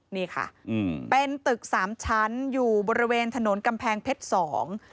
นี่ค่ะอืมเป็นตึกสามชั้นอยู่บริเวณถนนกำแพงเพชรสอง